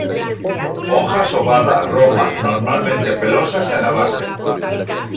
Hojas ovadas, romas, normalmente pelosas en la base.